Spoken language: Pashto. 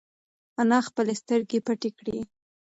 انا خپلې سترگې پټې کړې.